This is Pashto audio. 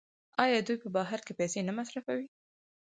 آیا دوی په بهر کې پیسې نه مصرفوي؟